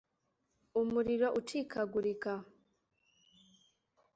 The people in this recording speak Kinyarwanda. umuriro ucikagurika